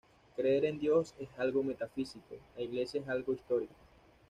Creer en Dios es algo metafísico, la Iglesia es algo histórico.